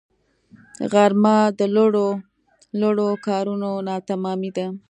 غرمه د لوړو لوړو کارونو ناتمامی ده